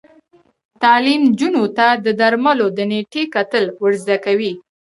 تعلیم نجونو ته د درملو د نیټې کتل ور زده کوي.